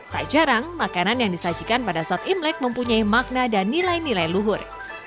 tak jarang makanan yang disajikan pada saat imlek mempunyai makna dan nilai nilai luhur